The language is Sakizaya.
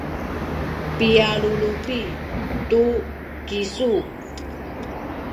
pialulupi tu kisu